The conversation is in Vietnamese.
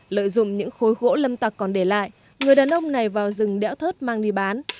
lợi dụng những khối gỗ lâm tặc còn để lại người đàn ông này vào rừng đéo thớt mang đi bán